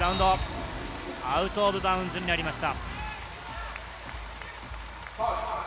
アウトオブバウンズになりました。